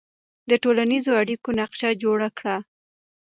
د ټولنیزو اړیکو نقشه جوړه کړه.